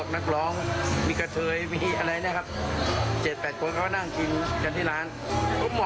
แล้วก็เหลือพนักงานของผม